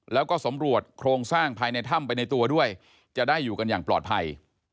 แล้วก็สำรวจโครงสร้างภายในถ้ำไปในตัวด้วยจะได้อยู่กันอย่างปลอดภัย